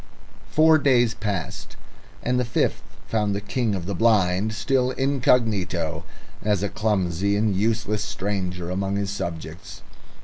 Four days passed, and the fifth found the King of the Blind still incognito, as a clumsy and useless stranger among his subjects.